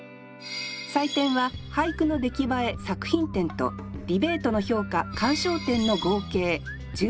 採点は俳句の出来栄え作品点とディベートの評価鑑賞点の合計１３点満点。